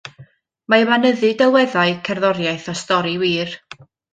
Mae yma nyddu delweddau, cerddoriaeth a stori wir.